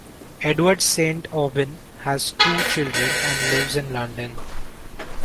Edward Saint Aubyn has two children, and lives in London.